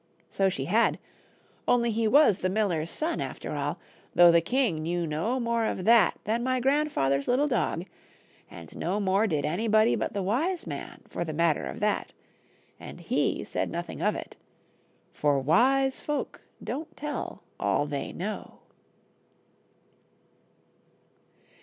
So she had, only he was the miller's son after all, though the king knew no more of that than my grandfather's little dog, and no more did anybody but the wise man for the matter of that, and he said nothing of it, for wise folk don't tell all they know.